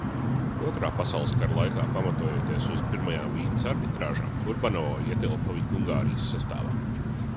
Otrā pasaules kara laikā, pamatojoties uz Pirmajām Vīnes arbitrāžām, Hurbanovo ietilpa Ungārijas sastāvā.